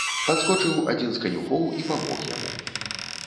Падскочыў адзін з канюхоў і памог яму.